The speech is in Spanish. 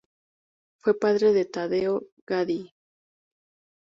Fue padre de Taddeo Gaddi.